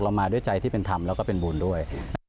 มาด้วยใจที่เป็นธรรมแล้วก็เป็นบุญด้วย